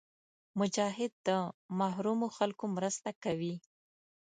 مجاهد د محرومو خلکو مرسته کوي.